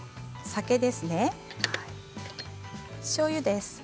酒ですね。